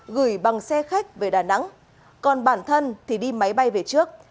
gửi bằng xe khách về đà nẵng còn bản thân thì đi máy bay về trước